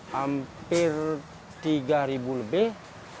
hampir tiga ribu lebih